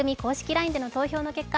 ＬＩＮＥでの投票の結果